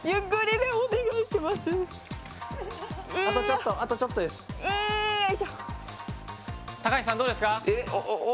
あとちょっとあとちょっとです！うわ！